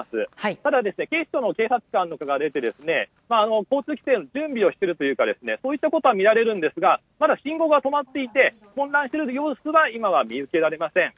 ただ、警視庁の警察官が出て交通規制の準備をしているというかそういったことは見られるんですがまだ信号が止まっていて混乱している様子は今は見受けられません。